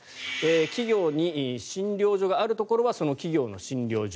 企業に診療所があるところはその企業の診療所。